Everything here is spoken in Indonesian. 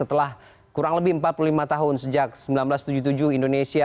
untuk supporting system baik secara individu